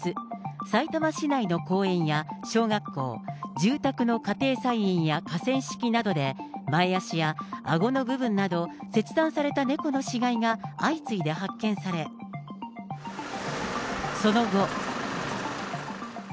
さいたま市内の公園や、小学校、住宅の家庭菜園や河川敷などで、前足やあごの部分など、切断された猫の死骸が相次いで発見され、その後。